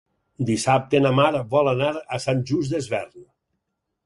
Dissabte na Mar vol anar a Sant Just Desvern.